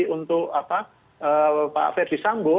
untuk pak ferdisangbo